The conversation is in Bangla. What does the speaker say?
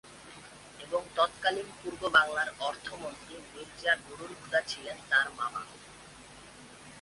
এবং তৎকালীন পূর্ব বাংলার অর্থমন্ত্রী মির্জা নূরুল হুদা ছিলেন তার মামা।